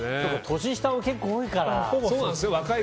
年下が結構多いから。